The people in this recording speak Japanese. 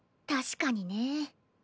確かにね。